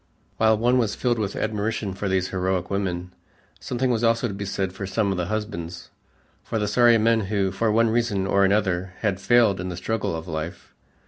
While one was filled with admiration for these heroic women, something was also to be said for some of the husbands, for the sorry men who, for one reason or another, had failed in the struggle of life.